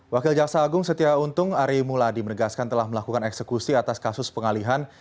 wakil jaksa agung setia untung ari muladi menegaskan telah melakukan eksekusi atas kasus pengalihan